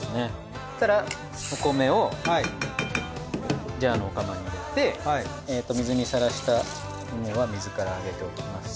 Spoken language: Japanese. そしたらお米をジャーのお釜に入れて水にさらした芋は水から上げておきます。